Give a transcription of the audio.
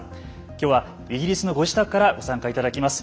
今日はイギリスのご自宅からご参加いただきます。